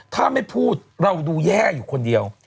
ถ้าไม่พูดเราดูแย่อยู่คนเดียว